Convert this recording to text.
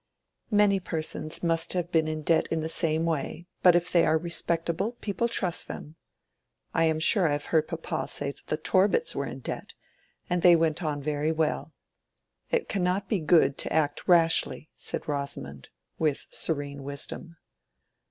"Many persons must have been in debt in the same way, but if they are respectable, people trust them. I am sure I have heard papa say that the Torbits were in debt, and they went on very well. It cannot be good to act rashly," said Rosamond, with serene wisdom.